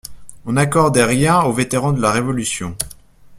On n'accordait rien aux vétérans de la Révolution.